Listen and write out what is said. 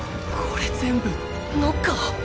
これ全部ノッカー⁉